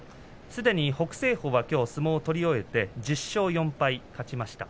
すでに北青鵬はきょう相撲を取り終えて１０勝４敗勝ちました。